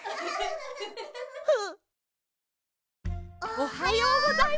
おはようございます。